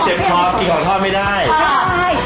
เจ็บทอดกินของทอดไม่ได้